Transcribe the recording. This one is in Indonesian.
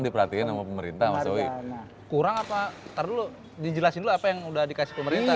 kurang apa ntar dulu dijelasin dulu apa yang udah dikasih pemerintah